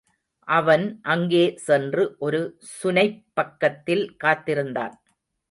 அவன் அங்கே சென்று, ஒரு சுனைப்பக்கத்தில் காத்திருந்தான்.